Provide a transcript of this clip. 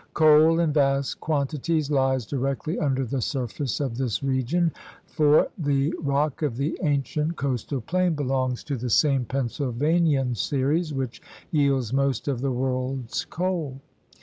Coal in vast quantities lies directly under the surface of this region, for the rock of the ancient coastal plain belongs to the same Pennsylvanian series which yields most of the world's coal.